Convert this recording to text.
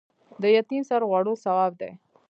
د یتیم سر غوړول ثواب دی